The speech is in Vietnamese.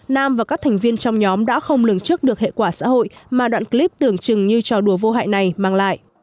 nam và các thành viên trong nhóm đã không lường trước được hệ quả xã hội mà đoạn clip tưởng chừng như trò đùa vô hại này mang lại